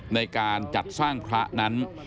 ในการจัดสร้างพระนั้น